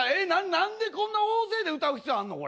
何でこんな大勢で歌う必要あんのこれ。